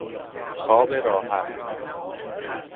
خواب راحت